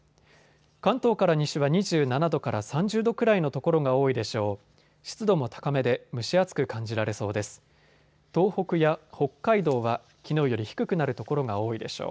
関東から西は２７度から３０度くらいの所が多いでしょう。